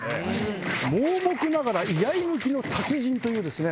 盲目ながら居合抜きの達人というですね